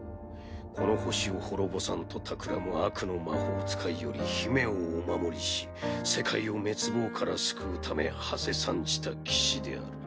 この惑星を滅ぼさんとたくらむ悪の魔法使いより姫をお守りし世界を滅亡から救うためはせ参じた騎士である。